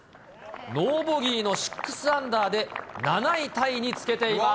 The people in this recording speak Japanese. ノーボギーの６アンダーで、７位タイにつけています。